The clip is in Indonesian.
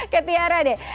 ke tiara deh